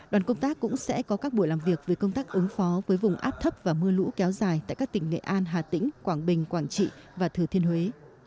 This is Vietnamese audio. đoàn công tác cũng sẽ có các buổi làm việc về công tác ứng phó với vùng áp thấp và mưa lũ kéo dài tại các tỉnh nghệ an hà tĩnh quảng bình quảng trị và thừa thiên huế